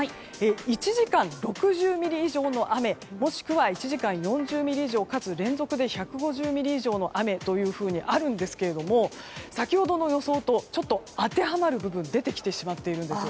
１時間６０ミリ以上の雨もしくは１時間４０ミリ以上かつ連続で１５０ミリ以上の雨というふうにあるんですけれども先ほどの予想とちょっと当てはまる部分が出てきてしまっているんですよ。